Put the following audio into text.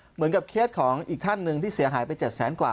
เหมือนกับเคสของอีกท่านหนึ่งที่เสียหายไป๗แสนกว่า